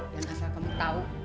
dan asal kamu tau